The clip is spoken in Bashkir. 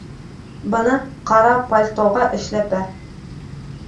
Бына ҡара пальтоға эшләпә